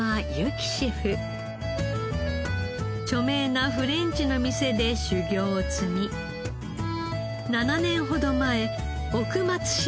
著名なフレンチの店で修業を積み７年ほど前奥松島を訪ねた時